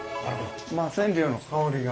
まあ染料の香りが。